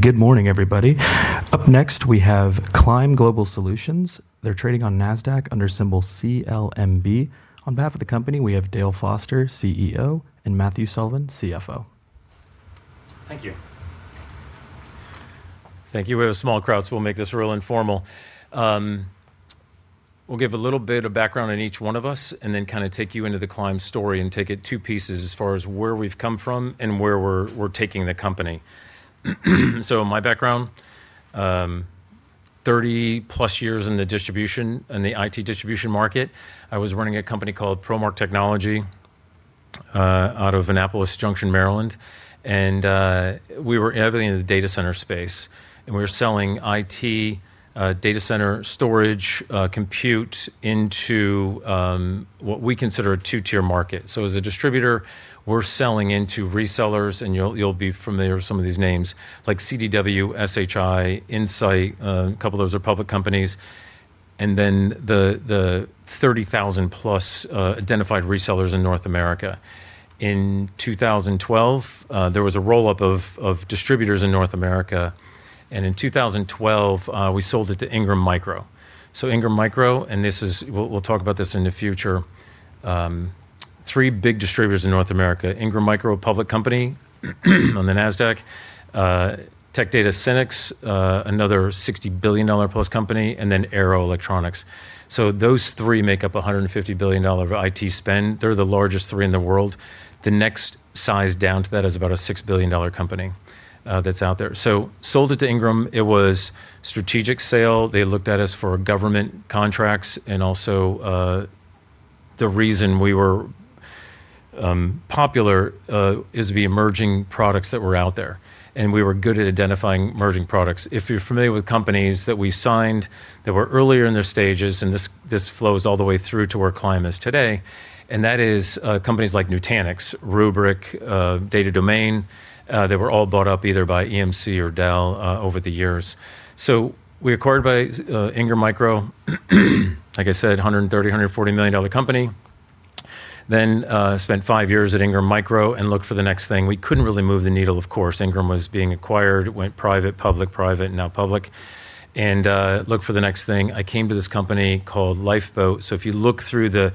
Good morning, everybody. Up next, we have Climb Global Solutions. They're trading on NASDAQ under symbol CLMB. On behalf of the company, we have Dale Foster, CEO, and Matthew Sullivan, CFO. Thank you. Thank you. We have a small crowd, we'll make this real informal. We'll give a little bit of background on each one of us and then take you into the Climb story and take it two pieces as far as where we've come from and where we're taking the company. My background, 30+ years in the IT distribution market. I was running a company called Promark Technology out of Annapolis Junction, Maryland, and we were heavily in the data center space, and we were selling IT data center storage compute into what we consider a 2-tier market. As a distributor, we're selling into resellers, and you'll be familiar with some of these names, like CDW, SHI, Insight, a couple of those are public companies, and then the 30,000+ identified resellers in North America. In 2012, there was a roll-up of distributors in North America, and in 2012, we sold it to Ingram Micro. Ingram Micro, and we'll talk about this in the future, three big distributors in North America, Ingram Micro, a public company on the NASDAQ, TD SYNNEX, another $60 billion plus company, and then Arrow Electronics. Those three make up $150 billion of IT spend. They're the largest three in the world. The next size down to that is about a $6 billion company that's out there. Sold it to Ingram. It was a strategic sale. They looked at us for government contracts, and also the reason we were popular is the emerging products that were out there, and we were good at identifying emerging products. If you're familiar with companies that we signed that were earlier in their stages, and this flows all the way through to where Climb is today, and that is companies like Nutanix, Rubrik, Data Domain, they were all bought up either by EMC or Dell over the years. We were acquired by Ingram Micro, like I said, $130 million-$140 million company. Spent five years at Ingram Micro and looked for the next thing. We couldn't really move the needle, of course. Ingram was being acquired, went private, public, private, and now public, and looked for the next thing. I came to this company called Lifeboat. If you look through the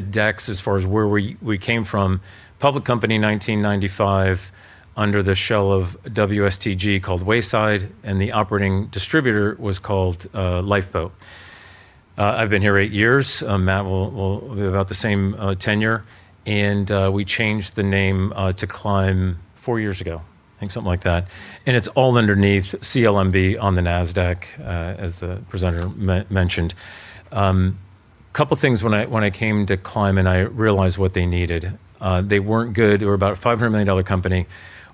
decks as far as where we came from, public company in 1995 under the shell of WSTG called Wayside, and the operating distributor was called Lifeboat. I've been here eight years. Matt will be about the same tenure. We changed the name to Climb four years ago, I think, something like that, and it's all underneath CLMB on the NASDAQ, as the presenter mentioned. Couple things when I came to Climb, and I realized what they needed. They weren't good. We were about a $500 million company.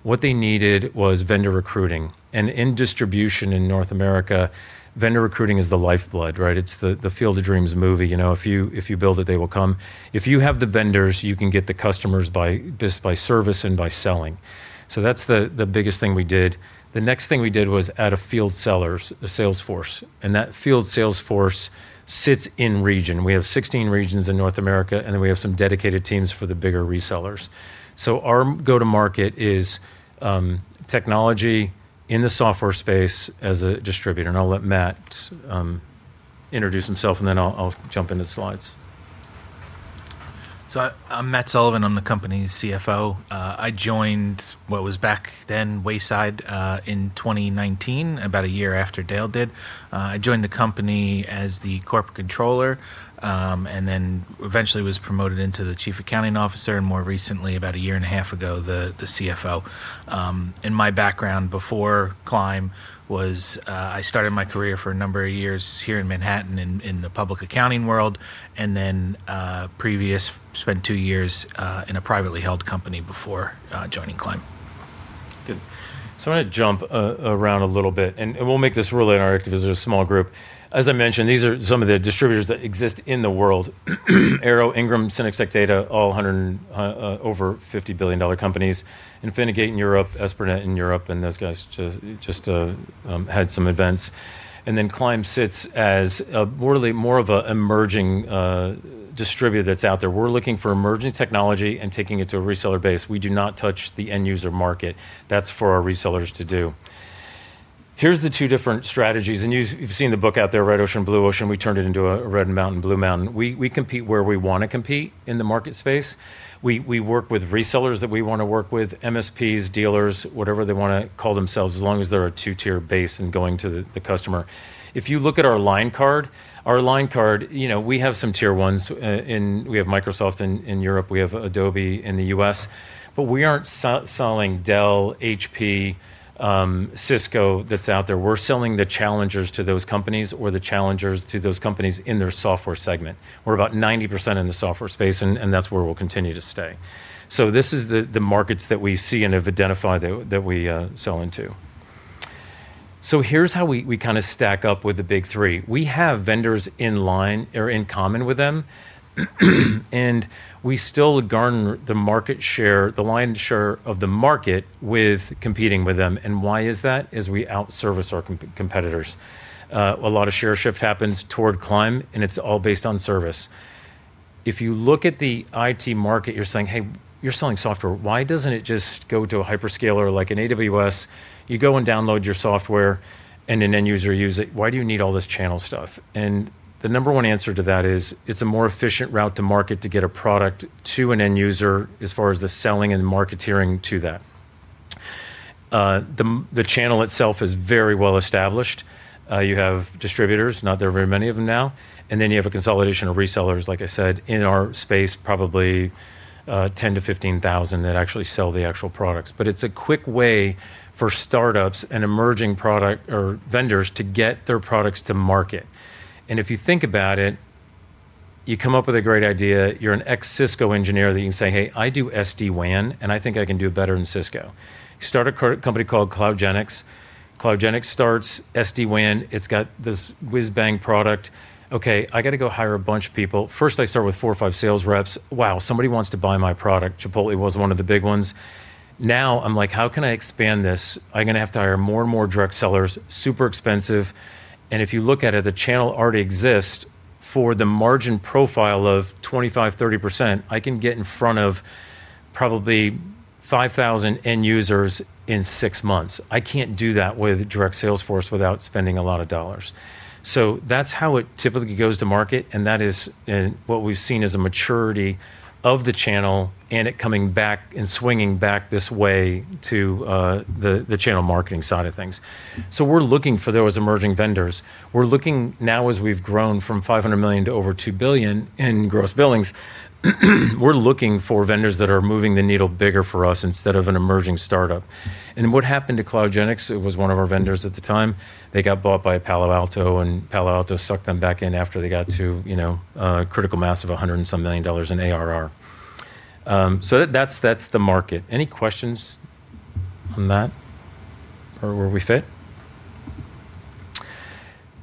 What they needed was vendor recruiting, and in distribution in North America, vendor recruiting is the lifeblood. It's the "Field of Dreams" movie. If you build it, they will come. If you have the vendors, you can get the customers by service and by selling. That's the biggest thing we did. The next thing we did was add a field sales force, and that field sales force sits in-region. We have 16 regions in North America, and then we have some dedicated teams for the bigger resellers. Our go-to-market is technology in the software space as a distributor. I'll let Matt introduce himself, then I'll jump into the slides. I'm Matt Sullivan. I'm the company's CFO. I joined what was back then Wayside in 2019, about a year after Dale did. I joined the company as the Corporate Controller, then eventually was promoted into the Chief Accounting Officer, more recently, about a year and a half ago, the CFO. My background before Climb was, I started my career for a number of years here in Manhattan in the public accounting world, then previous, spent two years in a privately held company before joining Climb. Good. I'm going to jump around a little bit. We'll make this really interactive because it's a small group. As I mentioned, these are some of the distributors that exist in the world. Arrow, Ingram, Synnex, Tech Data, all $150 billion plus companies. Ingram Micro, Synnex, Tech Data, all $150 billion companies. Infinigate in Europe, Esprnet in Europe. Those guys just had some events. Then Climb sits as more of an emerging distributor that's out there. We're looking for emerging technology and taking it to a reseller base. We do not touch the end user market. That's for our resellers to do. Here's the two different strategies. You've seen the book out there, "Red Ocean, Blue Ocean." We turned it into a red mountain, blue mountain. We compete where we want to compete in the market space. We work with resellers that we want to work with, MSPs, dealers, whatever they want to call themselves, as long as they're a two-tier base and going to the customer. If you look at our line card, our line card, we have some Tier 1s, and we have Microsoft in Europe, we have Adobe in the U.S., but we aren't selling Dell, HP, Cisco that's out there. We're selling the challengers to those companies or the challengers to those companies in their software segment. We're about 90% in the software space, and that's where we'll continue to stay. This is the markets that we see and have identified that we sell into. Here's how we stack up with the big three. We have vendors in line or in common with them, and we still garner the lion's share of the market with competing with them. Why is that? Is we out-service our competitors. A lot of share shift happens toward Climb, and it's all based on service. If you look at the IT market, you're saying, "Hey." You're selling software. Why doesn't it just go to a hyperscaler like an AWS, you go and download your software, and an end user use it? Why do you need all this channel stuff? The number one answer to that is, it's a more efficient route to market to get a product to an end user as far as the selling and marketeering to that. The channel itself is very well-established. You have distributors, not there are very many of them now, and then you have a consolidation of resellers, like I said, in our space, probably 10,000-15,000 that actually sell the actual products. It's a quick way for startups and emerging vendors to get their products to market. If you think about it, you come up with a great idea. You're an ex-Cisco engineer that you can say, "Hey, I do SD-WAN, and I think I can do it better than Cisco." You start a company called CloudGenix. CloudGenix starts SD-WAN. It's got this whiz-bang product. Okay, I've got to go hire a bunch of people. First, I start with four or five sales reps. Wow, somebody wants to buy my product. Chipotle was one of the big ones. Now I'm like, "How can I expand this?" I'm going to have to hire more and more direct sellers, super expensive, and if you look at it, the channel already exists for the margin profile of 25%-30%, I can get in front of probably 5,000 end users in six months. I can't do that with a direct sales force without spending a lot of dollars. That's how it typically goes to market, and that is what we've seen as a maturity of the channel and it coming back and swinging back this way to the channel marketing side of things. We're looking for those emerging vendors. We're looking now as we've grown from $500 million to over $2 billion in gross billings, we're looking for vendors that are moving the needle bigger for us instead of an emerging startup. What happened to CloudGenix, it was one of our vendors at the time, they got bought by Palo Alto, and Palo Alto sucked them back in after they got to a critical mass of $100 and some million in ARR. That's the market. Any questions on that or where we fit?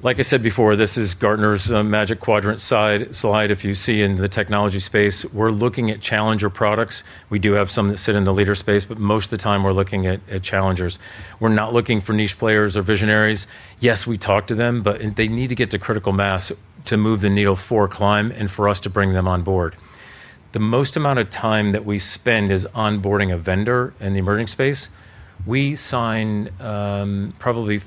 Like I said before, this is Gartner's Magic Quadrant slide. If you see in the technology space, we're looking at challenger products. We do have some that sit in the leader space, but most of the time we're looking at challengers. We're not looking for niche players or visionaries. Yes, we talk to them, but they need to get to critical mass to move the needle for Climb and for us to bring them on board. The most amount of time that we spend is onboarding a vendor in the emerging space. We sign probably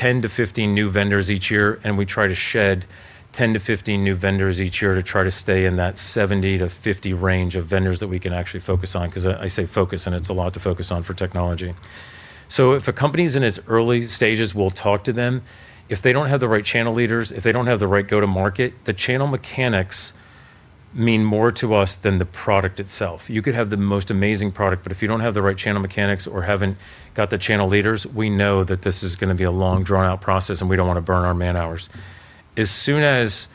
10-15 new vendors each year, and we try to shed 10-15 new vendors each year to try to stay in that 70-50 range of vendors that we can actually focus on because I say focus and it's a lot to focus on for technology. If a company's in its early stages, we'll talk to them. If they don't have the right channel leaders, if they don't have the right go-to-market, the channel mechanics mean more to us than the product itself. You could have the most amazing product, but if you don't have the right channel mechanics or haven't got the channel leaders, we know that this is going to be a long, drawn-out process and we don't want to burn our man-hours. As soon as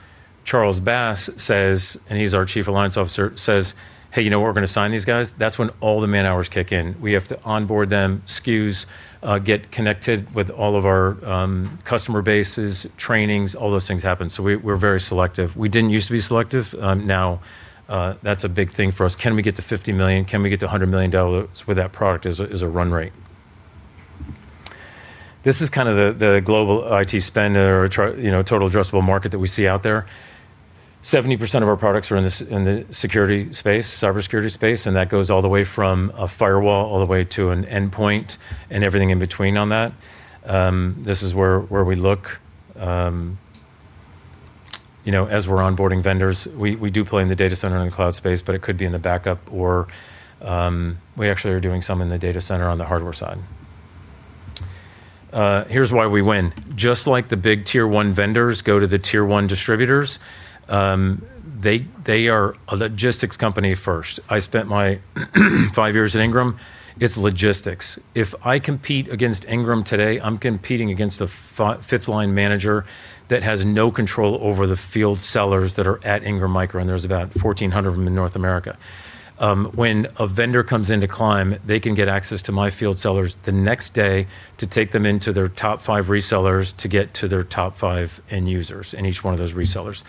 Charles Bass, and he's our Chief Alliances Officer, says, "Hey, you know where we're going to sign these guys?" That's when all the man-hours kick in. We have to onboard them, SKUs, get connected with all of our customer bases, trainings, all those things happen. We're very selective. We didn't use to be selective. Now, that's a big thing for us. Can we get to $50 million? Can we get to $100 million with that product as a run rate? This is the global IT spend or total addressable market that we see out there. 70% of our products are in the cybersecurity space, and that goes all the way from a firewall all the way to an endpoint and everything in between on that. This is where we look as we're onboarding vendors. We do play in the data center and the cloud space, but it could be in the backup, or we actually are doing some in the data center on the hardware side. Here's why we win. Just like the big Tier 1 vendors go to the Tier 1 distributors, they are a logistics company first. I spent my five years at Ingram. It's logistics. If I compete against Ingram today, I'm competing against a fifth-line manager that has no control over the field sellers that are at Ingram Micro, and there's about 1,400 of them in North America. When a vendor comes into Climb, they can get access to my field sellers the next day to take them into their top five resellers to get to their top five end users in each one of those resellers.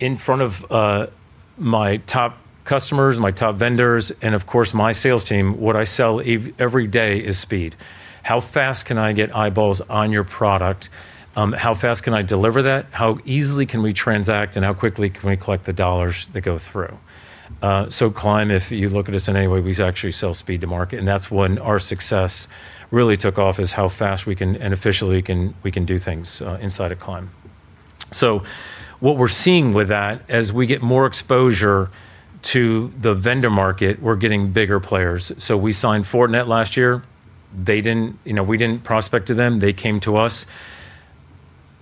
In front of my top customers, my top vendors, and of course, my sales team, what I sell every day is speed. How fast can I get eyeballs on your product? How fast can I deliver that? How easily can we transact, and how quickly can we collect the dollars that go through? Climb, if you look at us in any way, we actually sell speed to market, and that's when our success really took off, is how fast and efficiently we can do things inside of Climb. What we're seeing with that, as we get more exposure to the vendor market, we're getting bigger players. We signed Fortinet last year. We didn't prospect to them. They came to us.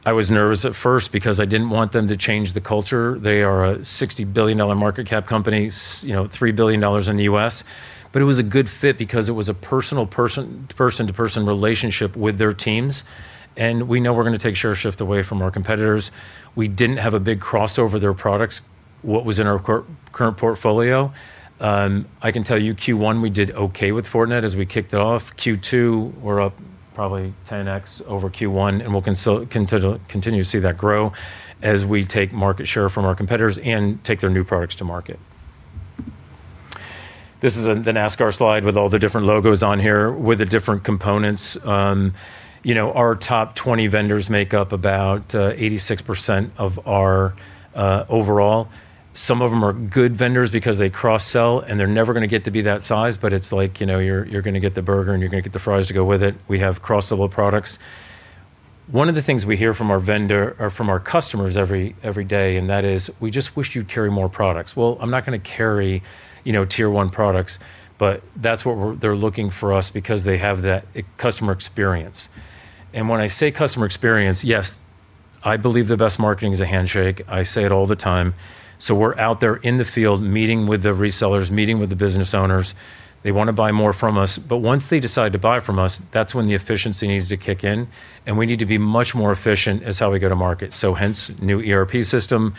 I was nervous at first because I didn't want them to change the culture. They are a $60 billion market cap company, $3 billion in the U.S. It was a good fit because it was a personal person-to-person relationship with their teams, and we know we're going to take share shift away from our competitors. We didn't have a big crossover their products, what was in our current portfolio. I can tell you Q1 we did okay with Fortinet as we kicked it off. Q2, we're up probably 10x over Q1, and we'll continue to see that grow as we take market share from our competitors and take their new products to market. This is the NASCAR slide with all the different logos on here with the different components. Our top 20 vendors make up about 86% of our overall. Some of them are good vendors because they cross-sell, and they're never going to get to be that size, but it's like you're going to get the burger and you're going to get the fries to go with it. We have cross-level products. One of the things we hear from our customers every day, that is, "We just wish you'd carry more products." Well, I'm not going to carry Tier 1 products, but that's what they're looking for us because they have that customer experience. When I say customer experience, yes, I believe the best marketing is a handshake. I say it all the time. We're out there in the field, meeting with the resellers, meeting with the business owners. They want to buy more from us. Once they decide to buy from us, that's when the efficiency needs to kick in, and we need to be much more efficient is how we go to market. Hence, new ERP system,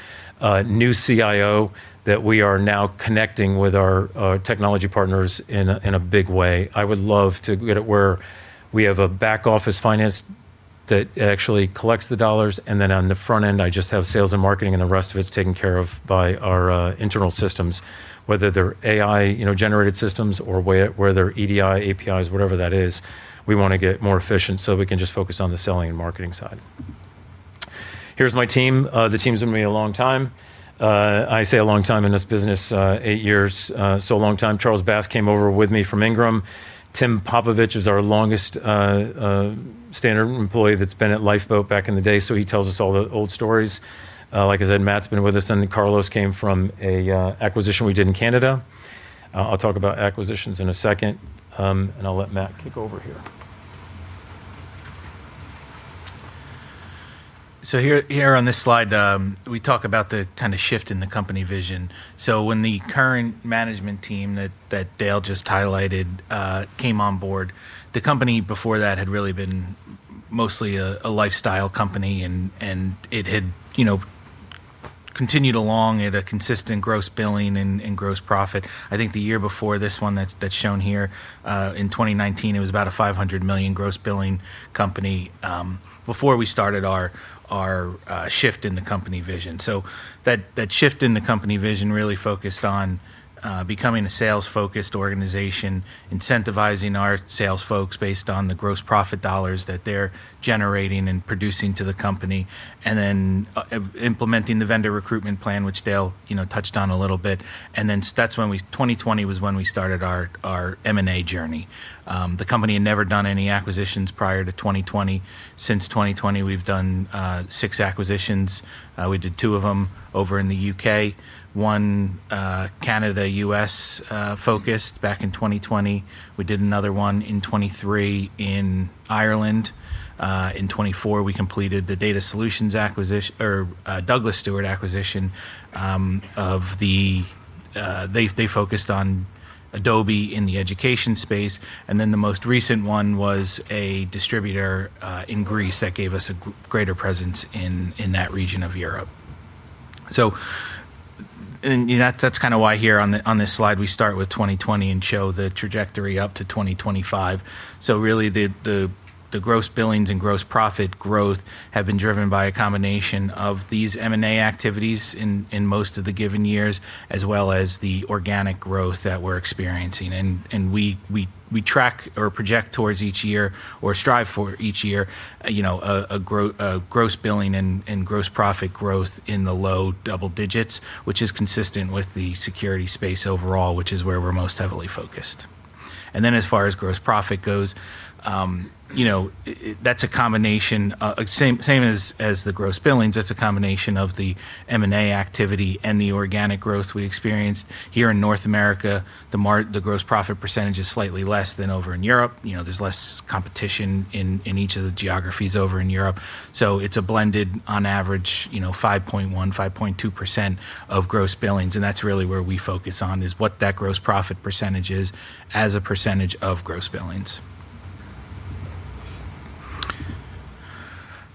new CIO that we are now connecting with our technology partners in a big way. I would love to get it where we have a back-office finance that actually collects the dollars, then on the front end, I just have sales and marketing, and the rest of it's taken care of by our internal systems, whether they're AI-generated systems or whether they're EDI, APIs, whatever that is. We want to get more efficient so we can just focus on the selling and marketing side. Here's my team. The team's been with me a long time. I say a long time in this business, eight years, a long time. Charles Bass came over with me from Ingram. Tim Popovich is our longest standard employee that's been at Lifeboat back in the day, so he tells us all the old stories. Like I said, Matt's been with us, Carlos came from an acquisition we did in Canada. I'll talk about acquisitions in a second, and I'll let Matt kick over here. Here on this slide, we talk about the kind of shift in the company vision. When the current management team that Dale just highlighted, came on board, the company before that had really been mostly a lifestyle company, and it had continued along at a consistent gross billing and gross profit. I think the year before this one that's shown here, in 2019, it was about a $500 million gross billing company, before we started our shift in the company vision. That shift in the company vision really focused on becoming a sales-focused organization, incentivizing our sales folks based on the gross profit dollars that they're generating and producing to the company, then implementing the vendor recruitment plan, which Dale touched on a little bit. 2020 was when we started our M&A journey. The company had never done any acquisitions prior to 2020. Since 2020, we've done six acquisitions. We did two of them over in the U.K., one Canada-U.S. focused back in 2020. We did another one in 2023 in Ireland. In 2024, we completed the Douglas Stewart acquisition. They focused on Adobe in the education space. The most recent one was a distributor in Greece that gave us a greater presence in that region of Europe. That's why here on this slide, we start with 2020 and show the trajectory up to 2025. Really, the gross billings and gross profit growth have been driven by a combination of these M&A activities in most of the given years, as well as the organic growth that we're experiencing. We track or project towards each year, or strive for each year, a gross billing and gross profit growth in the low double digits, which is consistent with the security space overall, which is where we're most heavily focused. As far as gross profit goes, same as the gross billings, that's a combination of the M&A activity and the organic growth we experienced. Here in North America, the gross profit percentage is slightly less than over in Europe. There's less competition in each of the geographies over in Europe. It's a blended, on average, 5.1%, 5.2% of gross billings, and that's really where we focus on is what that gross profit percentage is as a percentage of gross billings.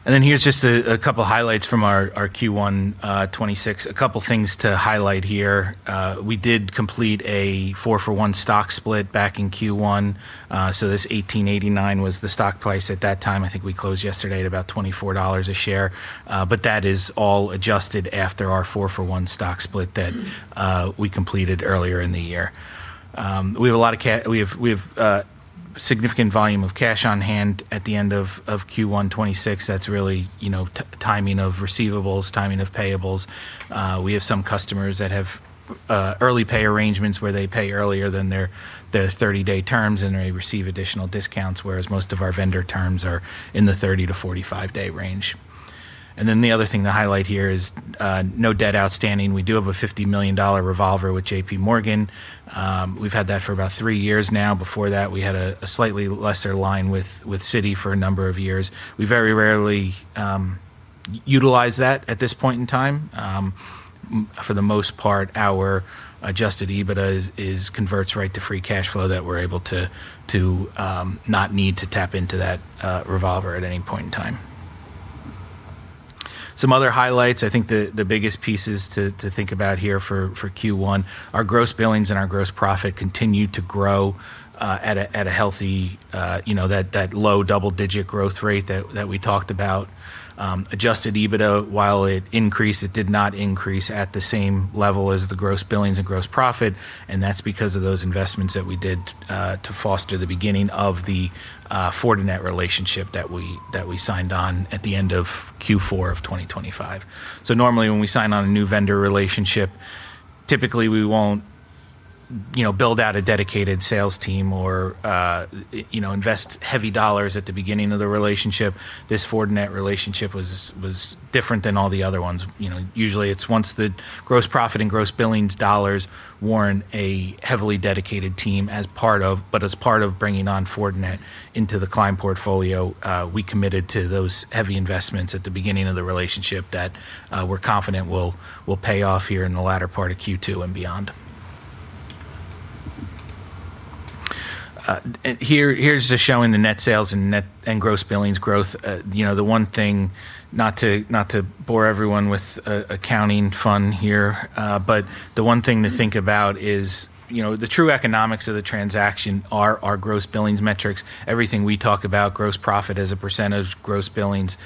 Here's just a couple of highlights from our Q1 2026. A couple of things to highlight here. We did complete a four-for-one stock split back in Q1. This $18.89 was the stock price at that time. I think we closed yesterday at about $24 a share. That is all adjusted after our four-for-one stock split that we completed earlier in the year. We have a significant volume of cash on hand at the end of Q1 2026. That's really timing of receivables, timing of payables. We have some customers that have early pay arrangements where they pay earlier than their 30-day terms, and they receive additional discounts, whereas most of our vendor terms are in the 30-45-day range. The other thing to highlight here is no debt outstanding. We do have a $50 million revolver with JPMorgan. We've had that for about three years now. Before that, we had a slightly lesser line with Citigroup for a number of years. We very rarely utilize that at this point in time. For the most part, our adjusted EBITDA converts right to free cash flow that we're able to not need to tap into that revolver at any point in time. Some other highlights, I think the biggest pieces to think about here for Q1, our gross billings and our gross profit continued to grow at a healthy, that low double-digit growth rate that we talked about. Adjusted EBITDA, while it increased, it did not increase at the same level as the gross billings and gross profit, and that's because of those investments that we did to foster the beginning of the Fortinet relationship that we signed on at the end of Q4 2025. Normally, when we sign on a new vendor relationship, typically we won't build out a dedicated sales team or invest heavy dollars at the beginning of the relationship. This Fortinet relationship was different than all the other ones. Usually, it's once the gross profit and gross billings dollars warrant a heavily dedicated team, as part of bringing on Fortinet into the Climb portfolio, we committed to those heavy investments at the beginning of the relationship that we're confident will pay off here in the latter part of Q2 and beyond. Here's just showing the net sales and gross billings growth. Not to bore everyone with accounting fun here, the one thing to think about is the true economics of the transaction are our gross billings metrics. Everything we talk about, gross profit as a percentage, gross billings,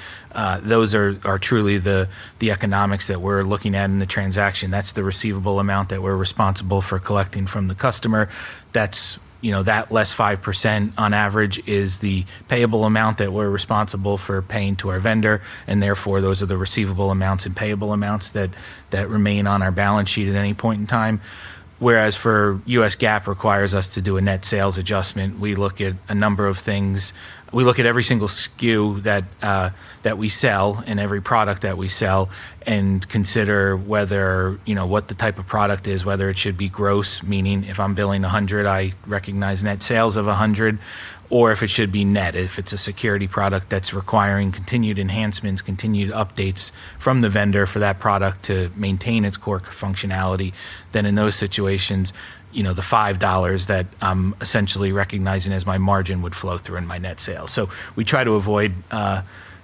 those are truly the economics that we're looking at in the transaction. That's the receivable amount that we're responsible for collecting from the customer. That less 5% on average is the payable amount that we're responsible for paying to our vendor, and therefore, those are the receivable amounts and payable amounts that remain on our balance sheet at any point in time. Whereas for US GAAP requires us to do a net sales adjustment, we look at a number of things. We look at every single SKU that we sell and every product that we sell and consider what the type of product is, whether it should be gross, meaning if I'm billing 100, I recognize net sales of 100, or if it should be net. If it's a security product that's requiring continued enhancements, continued updates from the vendor for that product to maintain its core functionality, then in those situations, the $5 that I'm essentially recognizing as my margin would flow through in my net sales. We try to avoid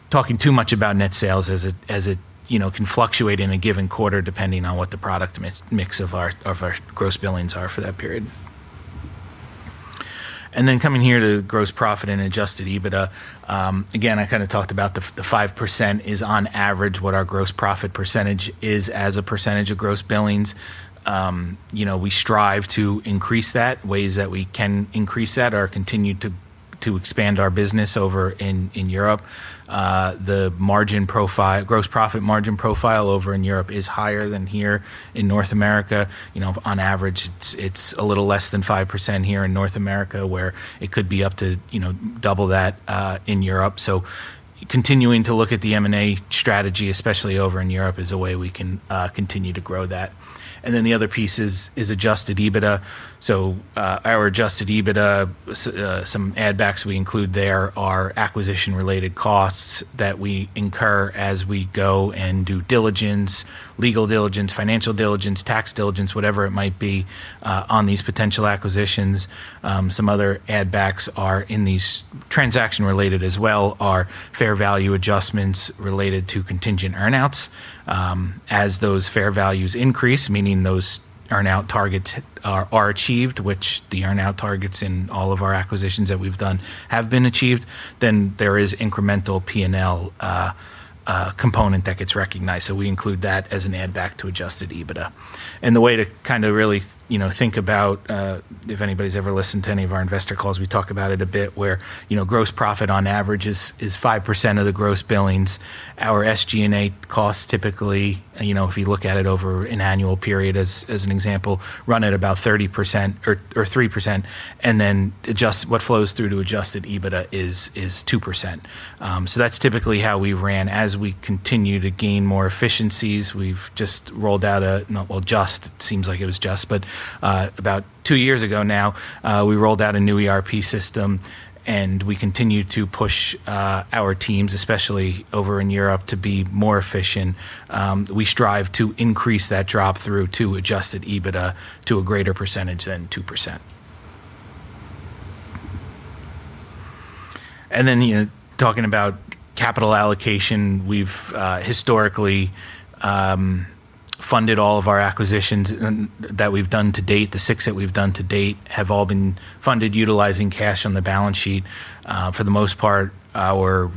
talking too much about net sales as it can fluctuate in a given quarter depending on what the product mix of our gross billings are for that period. Coming here to gross profit and adjusted EBITDA. Again, I kind of talked about the 5% is on average what our gross profit percentage is as a percentage of gross billings. We strive to increase that. Ways that we can increase that are continue to expand our business over in Europe. The gross profit margin profile over in Europe is higher than here in North America. On average, it's a little less than 5% here in North America, where it could be up to double that in Europe. Continuing to look at the M&A strategy, especially over in Europe, is a way we can continue to grow that. The other piece is adjusted EBITDA. Our adjusted EBITDA, some add backs we include there are acquisition-related costs that we incur as we go and do diligence, legal diligence, financial diligence, tax diligence, whatever it might be, on these potential acquisitions. Some other add backs are in these transaction-related as well, are fair value adjustments related to contingent earn-outs. As those fair values increase, meaning those earn-out targets are achieved, which the earn-out targets in all of our acquisitions that we've done have been achieved, then there is incremental P&L component that gets recognized. We include that as an add back to adjusted EBITDA. The way to kind of really think about, if anybody's ever listened to any of our investor calls, we talk about it a bit, where gross profit on average is 5% of the gross billings. Our SG&A costs typically, if you look at it over an annual period as an example, run at about 30% or 3%, what flows through to adjusted EBITDA is 2%. That's typically how we ran. As we continue to gain more efficiencies, we've just rolled out a, well, just, it seems like it was just, but about two years ago now, we rolled out a new ERP system, and we continue to push our teams, especially over in Europe, to be more efficient. We strive to increase that drop through to adjusted EBITDA to a greater percentage than 2%. Talking about capital allocation, we've historically funded all of our acquisitions that we've done to date. The six that we've done to date have all been funded utilizing cash on the balance sheet. For the most part, our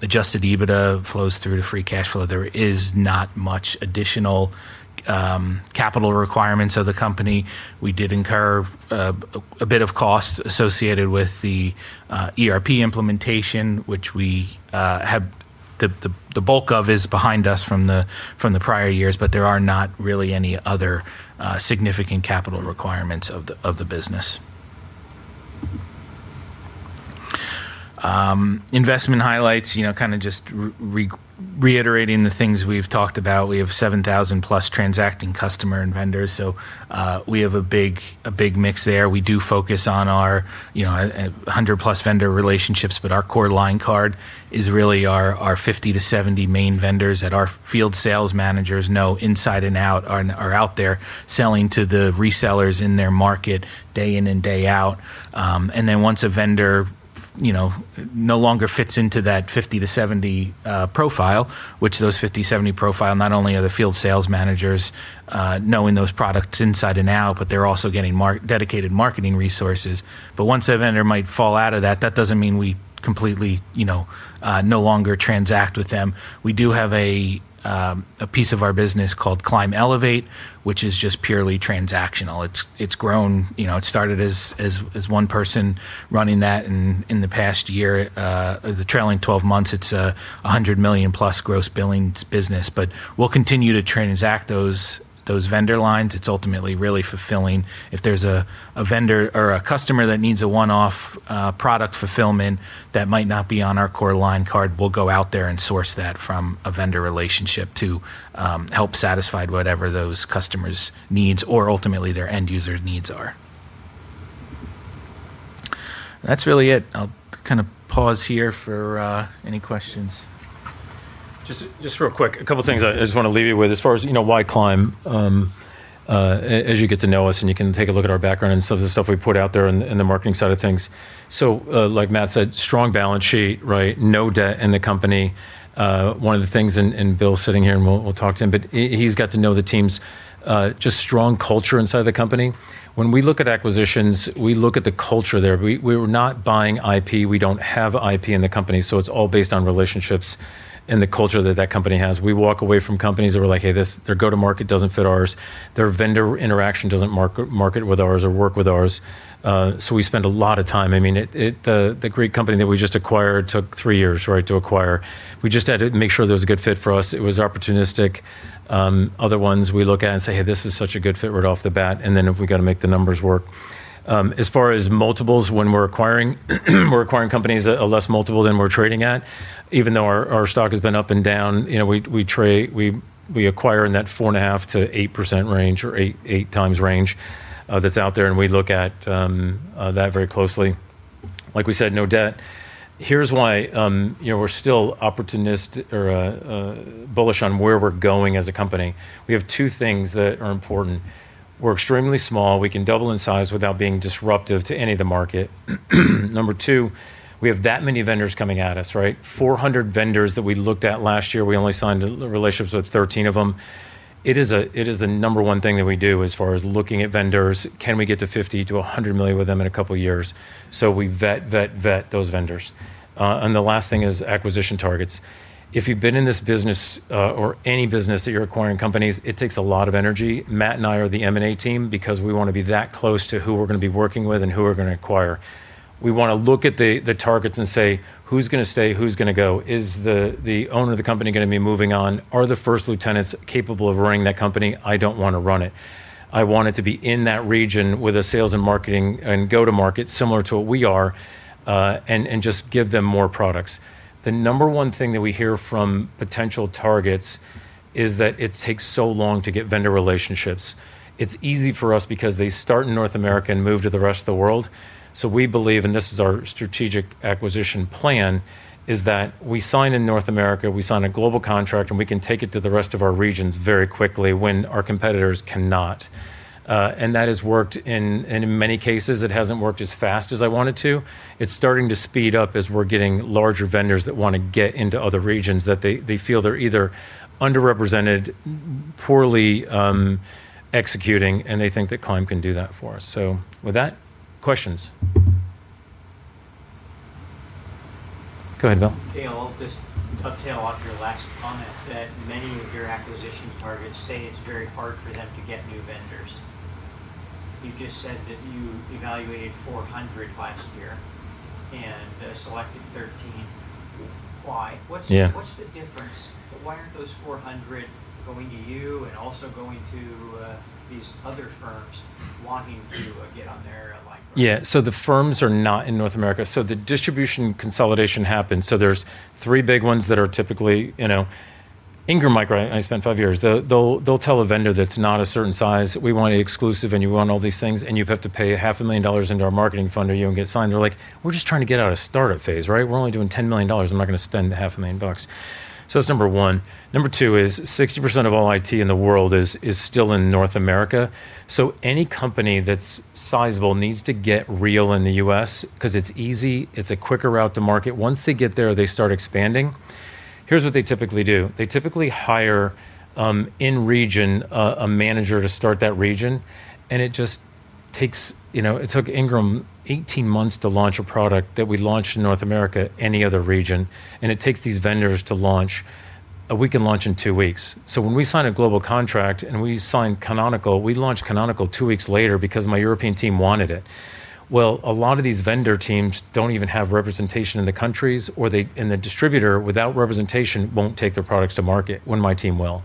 adjusted EBITDA flows through to free cash flow. There is not much additional capital requirements of the company. We did incur a bit of cost associated with the ERP implementation, which the bulk of is behind us from the prior years, but there are not really any other significant capital requirements of the business. Investment highlights, kind of just reiterating the things we've talked about. We have 7,000+ transacting customer and vendors, so we have a big mix there. We do focus on our 100+ vendor relationships, but our core line card is really our 50-70 main vendors that our field sales managers know inside and out, are out there selling to the resellers in their market day in and day out. Once a vendor no longer fits into that 50-70 profile, which those 50, 70 profile not only are the field sales managers knowing those products inside and out, but they're also getting dedicated marketing resources. Once a vendor might fall out of that doesn't mean we completely no longer transact with them. We do have a piece of our business called Climb Elevate, which is just purely transactional. It's grown. It started as one person running that, and in the past year, the trailing 12 months, it's a $100 million-plus gross billings business. We'll continue to transact those vendor lines. It's ultimately really fulfilling. If there's a vendor or a customer that needs a one-off product fulfillment that might not be on our core line card, we'll go out there and source that from a vendor relationship to help satisfy whatever those customers' needs or ultimately their end user needs are. That's really it. I'll kind of pause here for any questions. Just real quick, a couple of things I just want to leave you with as far as why Climb. As you get to know us and you can take a look at our background and some of the stuff we put out there in the marketing side of things. Like Matt said, strong balance sheet, right? No debt in the company. One of the things, and Bill's sitting here, and we'll talk to him, but he's got to know the team's just strong culture inside the company. When we look at acquisitions, we look at the culture there. We're not buying IP. We don't have IP in the company, so it's all based on relationships and the culture that that company has. We walk away from companies that we're like, "Hey, their go-to-market doesn't fit ours. Their vendor interaction doesn't market with ours or work with ours." We spend a lot of time. I mean, the great company that we just acquired took three years, right, to acquire. We just had to make sure there was a good fit for us. It was opportunistic. Other ones we look at and say, "Hey, this is such a good fit right off the bat," and then we've got to make the numbers work. As far as multiples, when we're acquiring, we're acquiring companies at a less multiple than we're trading at. Even though our stock has been up and down, we acquire in that 4.5%-8% range or eight times range that's out there, and we look at that very closely. Like we said, no debt. Here's why we're still bullish on where we're going as a company. We have two things that are important. We're extremely small. We can double in size without being disruptive to any of the market. Number two, we have that many vendors coming at us, right? 400 vendors that we looked at last year, we only signed relationships with 13 of them. It is the number 1 thing that we do as far as looking at vendors. Can we get to $50 million-$100 million with them in a couple of years? We vet those vendors. The last thing is acquisition targets. If you've been in this business, or any business that you're acquiring companies, it takes a lot of energy. Matt and I are the M&A team because we want to be that close to who we're going to be working with and who we're going to acquire. We want to look at the targets and say, "Who's going to stay? Who's going to go? Is the owner of the company going to be moving on? Are the first lieutenants capable of running that company? I don't want to run it. I want it to be in that region with a sales and marketing and go to market similar to what we are, and just give them more products." The number one thing that we hear from potential targets is that it takes so long to get vendor relationships. It's easy for us because they start in North America and move to the rest of the world. We believe, and this is our strategic acquisition plan, is that we sign in North America, we sign a global contract, and we can take it to the rest of our regions very quickly when our competitors cannot. That has worked, and in many cases, it hasn't worked as fast as I want it to. It's starting to speed up as we're getting larger vendors that want to get into other regions that they feel they're either underrepresented, poorly executing, and they think that Climb can do that for us. With that, questions? Go ahead, Bill. Dale, I'll just tail off your last comment that many of your acquisitions targets say it's very hard for them to get new vendors. You just said that you evaluated 400 last year and selected 13. Why? Yeah. What's the difference? Why aren't those 400 going to you and also going to these other firms wanting to get on their line card? Yeah. The firms are not in North America, the distribution consolidation happens. There's three big ones that are typically, Ingram Micro, I spent five years. They'll tell a vendor that's not a certain size, "We want you exclusive, and you run all these things, and you have to pay half a million dollars into our marketing fund or you don't get signed." They're like, "We're just trying to get out of startup phase, right? We're only doing $10 million. I'm not going to spend half a million bucks." That's number one. Number two is 60% of all IT in the world is still in North America. Any company that's sizable needs to get real in the U.S. because it's easy. It's a quicker route to market. Once they get there, they start expanding. Here's what they typically do. They typically hire, in region, a manager to start that region, it took Ingram 18 months to launch a product that we launched in North America, any other region, and it takes these vendors to launch We can launch in two weeks. When we sign a global contract and we sign Canonical, we launch Canonical two weeks later because my European team wanted it. Well, a lot of these vendor teams don't even have representation in the countries, or the distributor, without representation, won't take their products to market, when my team will.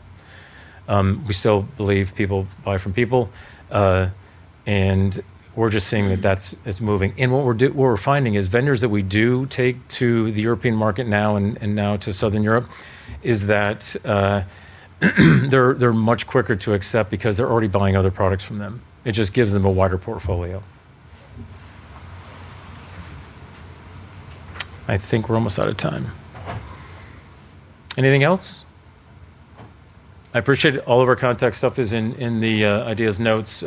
We still believe people buy from people. We're just seeing that it's moving. What we're finding is vendors that we do take to the European market now and now to Southern Europe, is that they're much quicker to accept because they're already buying other products from them. It just gives them a wider portfolio. I think we're almost out of time. Anything else? I appreciate all of our contact stuff is in the ideas notes.